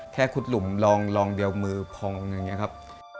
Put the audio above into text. ขุดหลุมลองเดียวมือพองอย่างนี้ครับ